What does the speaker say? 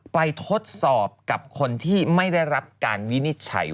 ทดสอบกับคนที่ไม่ได้รับการวินิจฉัย